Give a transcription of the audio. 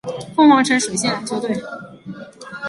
凤凰城水星篮球队。